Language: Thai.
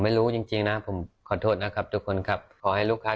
ไม่รู้จริงจริงนะผมขอโทษนะครับทุกคนครับขอให้ลูกค้า